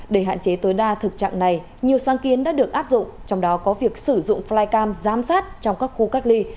để hạn chế tối đa thực trạng này nhiều sáng kiến đã được áp dụng trong đó có việc sử dụng flycam giám sát trong các khu cách ly